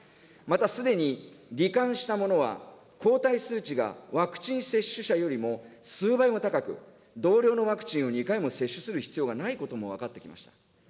また、すでにり患した者は、抗体数値がワクチン接種者よりも数倍も高く、同量のワクチンを２回も接種する必要がないことも分かってきました。